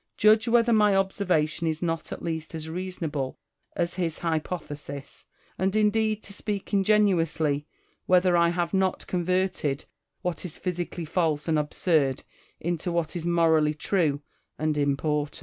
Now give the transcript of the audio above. Judge whether my observation is not at least as reasonable as his hypothesis ; and indeed, to speak ingen uously, whether I have not converted what is physically false and absurd into what is morally true and important.